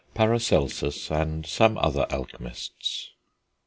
PARACELSUS AND SOME OTHER ALCHEMISTS.